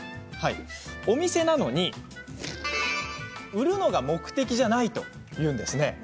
お店なのに売るのが目的じゃないというんです。